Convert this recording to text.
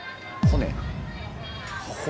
骨？